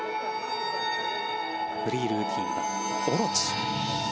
フリールーティン「大蛇オロチ」。